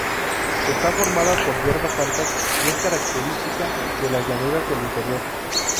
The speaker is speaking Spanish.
Está formada por hierbas altas y es característica de las llanuras del interior.